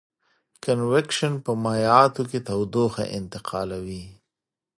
کنویکشن په مایعاتو کې تودوخه انتقالوي.